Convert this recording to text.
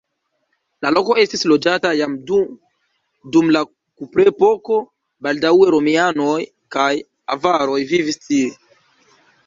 La loko estis loĝata jam dum la kuprepoko, baldaŭe romianoj kaj avaroj vivis tie.